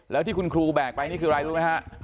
แล้วที่คุณครูแบกไปนี่คืออะไรรู้ไหมฮะ